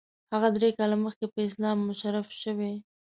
هغه درې کاله مخکې په اسلام مشرف شوی.